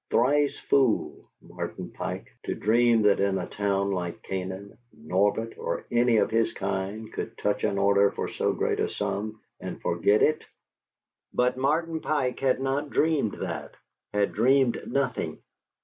Thrice fool, Martin Pike, to dream that in a town like Canaan, Norbert or any of his kind could touch an order for so great a sum and forget it! But Martin Pike had not dreamed that; had dreamed nothing.